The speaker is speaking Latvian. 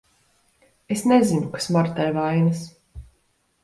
Es nezinu, kas Martai vainas.